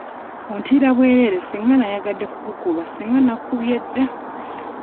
Ontiira bwerere singa nayagadde kkukuba singa nakkubye dda.